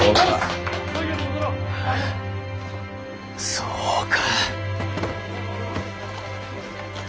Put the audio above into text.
そうか。